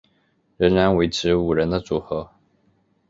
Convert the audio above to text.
仍然维持五人的组合。